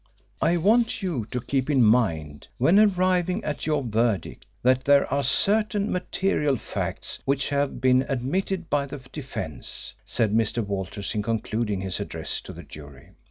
"I want you to keep in mind, when arriving at your verdict, that there are certain material facts which have been admitted by the defence," said Mr. Walters in concluding his address to the jury.